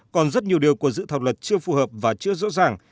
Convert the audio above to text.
còn rất nhiều điều của dự thảo luật chưa phù hợp và chưa rõ ràng